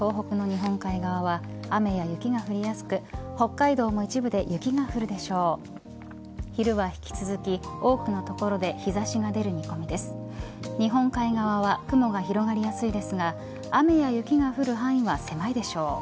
日本海側は雲が広がりやすいですが雨や雪が降る範囲は狭いでしょう。